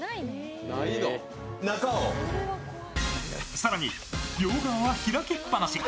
更に、両側は開きっぱなし。